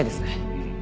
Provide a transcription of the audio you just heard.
うん。